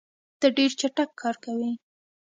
ته ډېر چټک کار کوې.